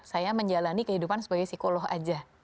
saya menjalani kehidupan sebagai psikolog saja